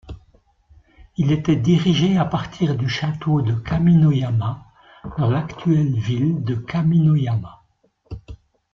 Il était dirigé à partir du château de Kaminoyama dans l'actuelle ville de Kaminoyama.